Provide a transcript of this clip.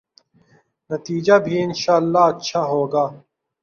نتیجہ بھی انشاء اﷲ اچھا ہو گا۔